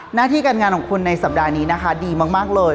หน้าที่การงานของคุณในสัปดาห์นี้นะคะดีมากเลย